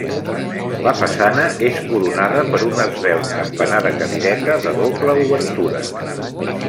La façana és coronada per un esvelt campanar de cadireta de doble obertura.